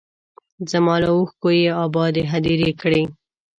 زما له اوښکو یې ابادې هدیرې کړې